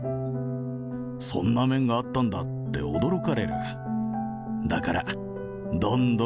そんな面があったんだって驚かれる。